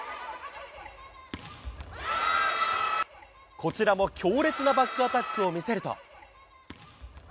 こちらも強烈なバックアタックを見せると。